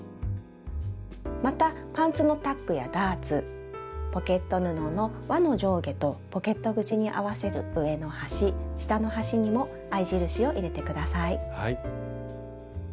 またパンツのタックやダーツポケット布のわの上下とポケット口に合わせる上の端下の端にも合い印を入れて下さい。